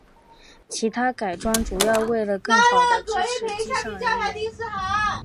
其它改装主要是为了更好地支持机上人员。